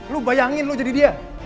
lu bayangin lu jadi dia